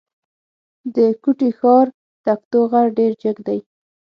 د کوټي ښار تکتو غر ډېر جګ دی.